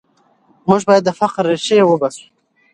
موږ باید د فقر ریښې وباسو.